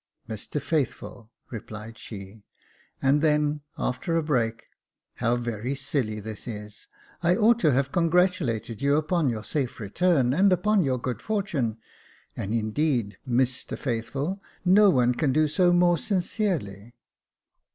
"Mr Faithful," replied shej and then, after a break —*' How very silly this is : I ought to have congratulated you upon your safe return, and upon your good fortune : and, indeed, Mr Faithful, no one can do so more sincerely."